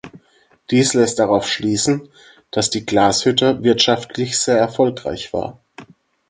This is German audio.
Dies lässt darauf schließen, dass die Glashütte wirtschaftlich sehr erfolgreich war.